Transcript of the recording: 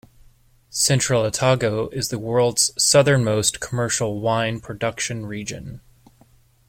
Central Otago is the world's southernmost commercial wine production region.